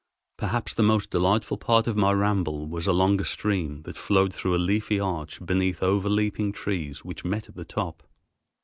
Perhaps the most delightful part of my ramble was along a stream that flowed through a leafy arch beneath overleaping trees which met at the top.